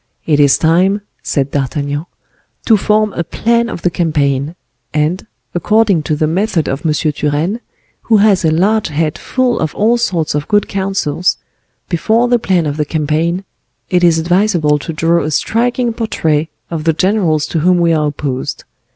It is time," said D'Artagnan, "to form a plan of the campaign, and, according to the method of M. Turenne, who has a large head full of all sorts of good counsels, before the plan of the campaign it is advisable to draw a striking portrait of the generals to whom we are opposed.